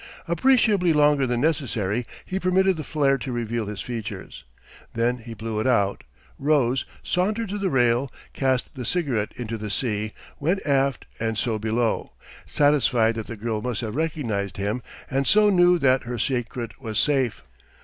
Appreciably longer than necessary he permitted the flare to reveal his features. Then he blew it out, rose, sauntered to the rail, cast the cigarette into the sea, went aft and so below, satisfied that the girl must have recognised him and so knew that her secret was safe.